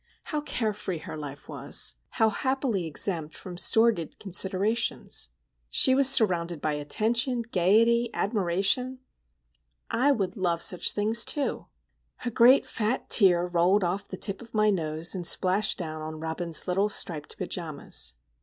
How care free her life was! How happily exempt from sordid considerations! She was surrounded by attention, gayety, admiration,—I would love such things, too! A great fat tear rolled off the tip of my nose, and splashed down on Robin's little striped pajamas.